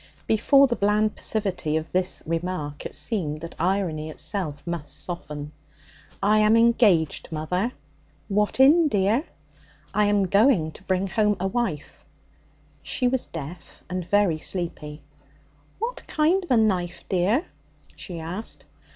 Before the bland passivity of this remark it seemed that irony itself must soften. 'I am engaged, mother.' 'What in, dear?' 'I am going to bring home a wife.' She was deaf and very sleepy. 'What kind of a knife, dear?' she asked.